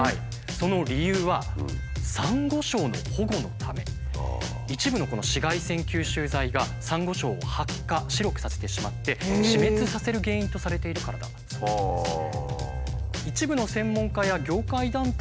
その理由は一部の紫外線吸収剤がサンゴ礁を白化白くさせてしまって死滅させる原因とされているからだそうなんですね。